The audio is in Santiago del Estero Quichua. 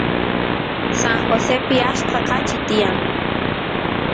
San Josepi achka kachi tiyan